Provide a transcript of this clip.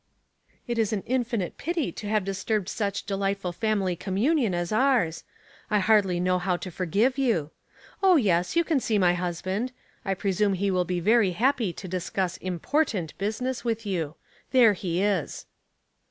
" It is an infinite pity to have disturbed such delightful family communion as ours. I hardly know how to forgive you. Oh, yes, you can see my husband. I presume he will be very happy to discuss important business with you. There he is."